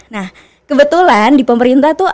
nah kebetulan di pemerintah tuh